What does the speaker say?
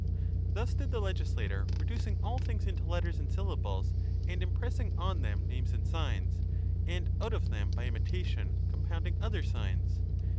Thus did the legislator, reducing all things into letters and syllables, and impressing on them names and signs, and out of them by imitation compounding other signs.